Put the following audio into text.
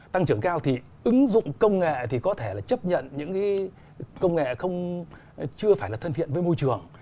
tăng trưởng cao thì ứng dụng công nghệ thì có thể là chấp nhận những công nghệ chưa phải là thân thiện với môi trường